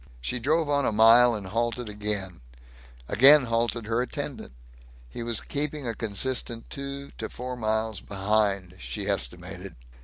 She drove on a mile and halted again; again halted her attendant. He was keeping a consistent two to four miles behind, she estimated.